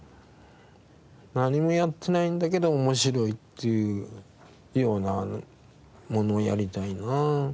何もやってないんだけど面白いっていうようなものをやりたいなあ。